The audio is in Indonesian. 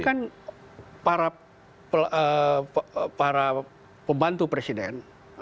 kan para pembantu presiden